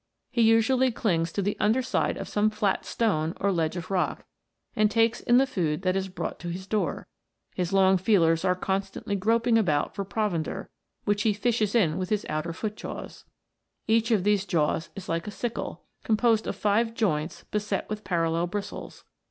He usually clings to the under side of some flat stone or ledge of rock, and takes in the food that is brought to his door. His long feelers are constantly groping about for provender, which he THE MERMAID'S HOME. 121 fishes in with his outer foot jaws. Each of these jaws is like a sickle, composed of five joints beset with parallel bristles.